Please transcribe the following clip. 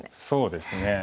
そうですね。